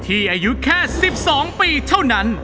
อายุแค่๑๒ปีเท่านั้น